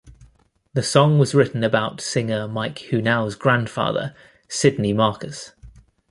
The song was written about singer Mike Hunau's grandfather, Sydney Marcus.